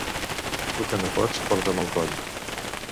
Tu que no pots, portam al coll.